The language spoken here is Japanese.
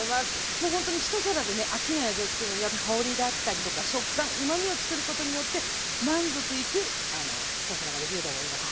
もうほんとに一皿でね飽きない味をつくるのには香りだったりとか食感うまみをつくることによって満足いく一皿ができると思いますので。